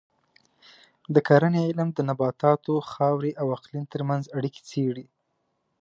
د کرنې علم د نباتاتو، خاورې او اقلیم ترمنځ اړیکې څېړي.